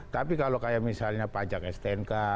tapi kalau kayak misalnya pajak stnk